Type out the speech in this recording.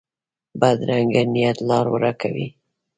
بدرنګه نیت لار ورکه وي